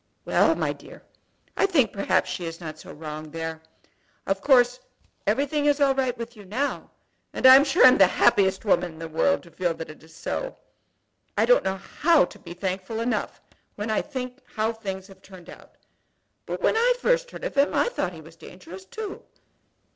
"Well, my dear, I think that perhaps she is not so wrong there. Of course everything is all right with you now, and I'm sure I'm the happiest woman in the world to feel that it is so. I don't know how to be thankful enough when I think how things have turned out; but when I first heard of him I thought he was dangerous too."